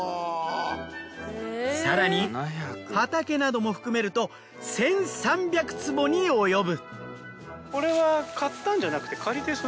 更に畑なども含めると１，３００坪に及ぶ。